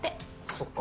そっか。